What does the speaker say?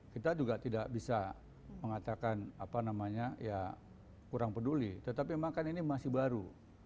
kita juga tidak bisa mengatakan kurang peduli tetapi memang kan ini masih baru